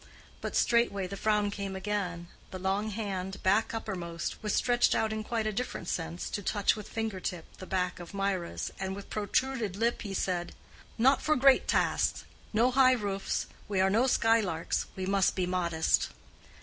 But straightway the frown came again, the long hand, back uppermost, was stretched out in quite a different sense to touch with finger tip the back of Mirah's, and with protruded lip he said, "Not for great tasks. No high roofs. We are no skylarks. We must be modest."